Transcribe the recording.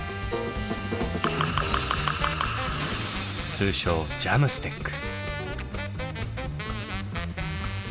通称ＪＡＭＳＴＥＣ。